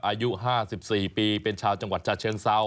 อายุ๕๔ปีเป็นชาวจังหวัดชาเชิงเซา